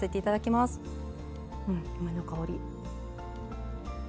うん梅の香り。